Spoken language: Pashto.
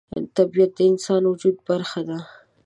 طبیعت د انسان د وجود برخه ده.